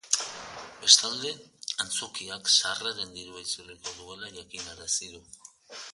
Bestalde, antzokiak sarreren dirua itzuliko duela jakinarazi du.